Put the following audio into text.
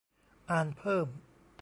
อ่านเพิ่ม